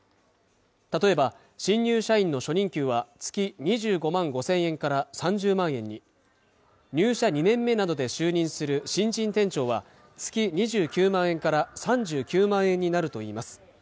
例えば新入社員の初任給は月２５万５０００円から３０万円に入社２年目などで就任する新人店長は月２９万円から３９万円になるといいます